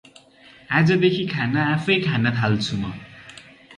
आजदेखि खाना आफैँ खान थाल्छु म ।